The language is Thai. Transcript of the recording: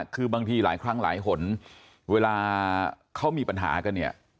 คือบางทีหลายครั้งหลายหนเวลาเขามีปัญหากันเนี่ย